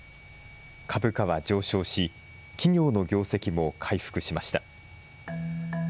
株価は上昇し、企業の業績も回復しました。